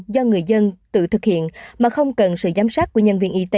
do người dân tự thực hiện mà không cần sự giám sát của nhân viên y tế